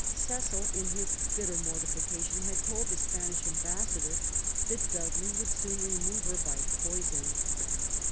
Cecil, in his bitter mortification, had told the Spanish ambassador that Dudley would soon remove her by poison.